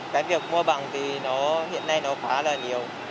cái việc mua bằng thì nó hiện nay nó quá là nhiều